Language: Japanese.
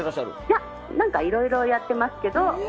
いや、いろいろやってますけど。